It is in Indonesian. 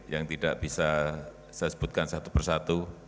yang tidak bisa saya sebutkan satu persatu